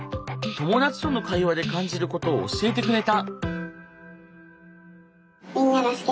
友達との会話で感じることを教えてくれた。